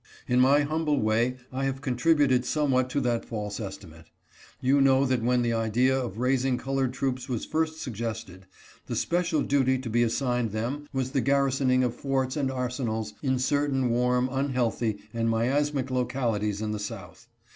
In my humble way I have contributed somewhat to that false estimate. You know that when the idea of raising colored troops was first sug gested, the special duty to be assigned them was the garrisoning of forts and arsenals in certain warm, unhealthy, and miasmatic localities in the South.